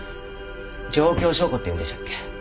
状況証拠っていうんでしたっけ。